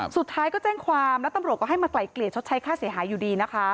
สุดท้ายก็แจ้งความแล้วตำรวจก็ให้มาไกลเกลี่ยชดใช้ค่าเสียหายอยู่ดีนะคะ